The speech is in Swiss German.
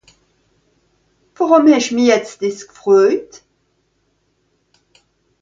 Worùm hesch mich jetz dìss gfröjt ?